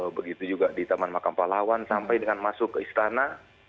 begitu juga di taman makam palawan sampai dengan masuk ke istana